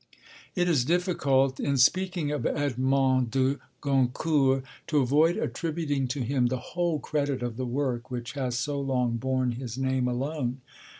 It is difficult, in speaking of Edmond de Goncourt, to avoid attributing to him the whole credit of the work which has so long borne his name alone.